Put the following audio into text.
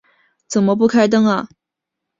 怎么不开灯啊